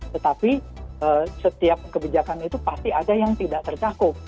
tetapi setiap kebijakan itu pasti ada yang tidak tercakup